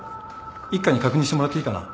一課に確認してもらっていいかな？